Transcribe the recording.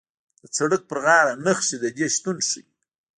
د سړک په غاړه نښې د دې شتون ښیي